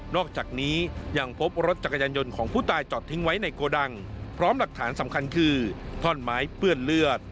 อกจากนี้ยังพบรถจักรยานยนต์ของผู้ตายจอดทิ้งไว้ในโกดังพร้อมหลักฐานสำคัญคือท่อนไม้เปื้อนเลือด